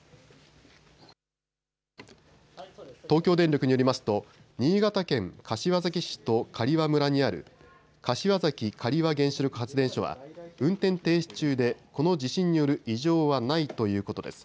東京電力によりますと新潟県柏崎市と刈羽村にある柏崎刈羽原子力発電所は運転停止中で、この地震による異常はないということです。